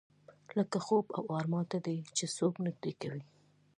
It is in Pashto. لکه خوب او ارمان ته دې چې څوک نږدې کوي.